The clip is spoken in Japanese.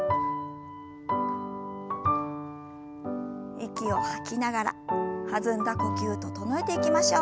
息を吐きながら弾んだ呼吸整えていきましょう。